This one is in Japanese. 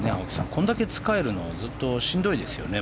これだけつっかえるのずっとしんどいですよね。